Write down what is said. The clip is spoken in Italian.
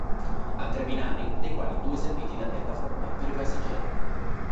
Ha tre binari, dei quali due serviti da piattaforme per i passeggeri.